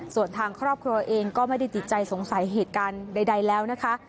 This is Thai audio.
ส่วนทางครอบครัวเองก็ไม่ได้ติดใจสงสัยเหตุการณ์ใดแล้วนะคะ